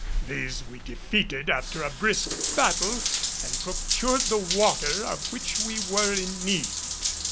These we defeated after a brisk battle and procured the water of which we were in need.